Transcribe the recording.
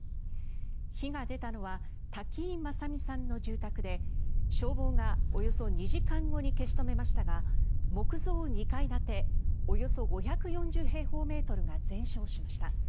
火が出たのは滝井正美さんの住宅で消防がおよそ２時間後に消し止めましたが木造２階建ておよそ５４０平方メートルが全焼しました。